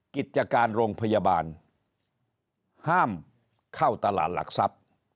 กิจการโรงพยาบาลห้ามเข้าตลาดหลักทรัพย์